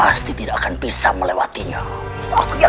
ada beberapa pengacara